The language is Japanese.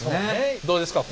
どうですか？